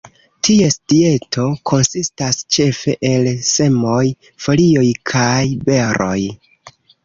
Ties dieto konsistas ĉefe el semoj, folioj kaj beroj.